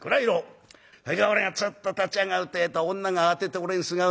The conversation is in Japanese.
それから俺がつっと立ち上がるてえと女が慌てて俺にすがるね。